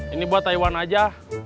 ini buat aiwan aja